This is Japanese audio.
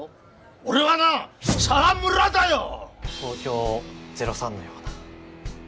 東京０３のような。